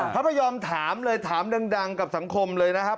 พระพยอมถามเลยถามดังกับสังคมเลยนะครับ